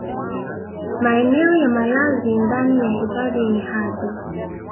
maeneo ya malazi ndani ya hifadhi yenye hadhi